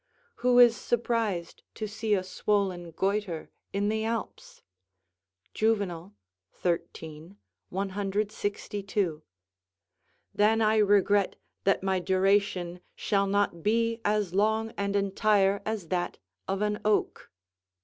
["Who is surprised to see a swollen goitre in the Alps?" Juvenal, xiii. 162.] than I regret that my duration shall not be as long and entire as that of an oak.